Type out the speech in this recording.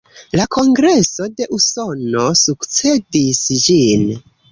La Kongreso de Usono sukcedis ĝin.